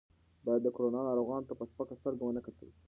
باید د کرونا ناروغانو ته په سپکه سترګه ونه کتل شي.